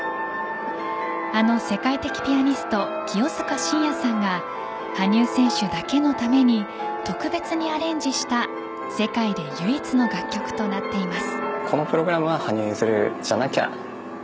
あの世界的ピアニスト清塚信也さんが羽生選手だけのために特別にアレンジした世界で唯一の楽曲となっています。